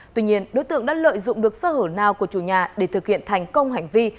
tuy nhiên đối tượng đã lợi dụng được sơ hở nào của chủ nhà để thực hiện thành công hành vi